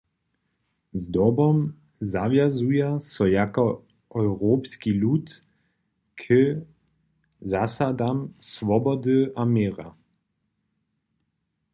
Zdobom zawjazuja so jako europski lud k zasadam swobody a měra.